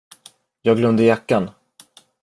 Jag glömde jackan.